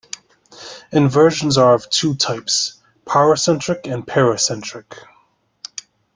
Inversions are of two types: paracentric and pericentric.